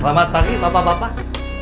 selamat pagi bapak bapak